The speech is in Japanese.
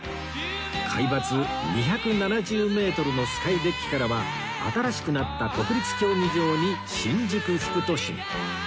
海抜２７０メートルのスカイデッキからは新しくなった国立競技場に新宿副都心